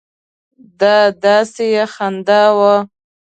دا داسې خندا وه.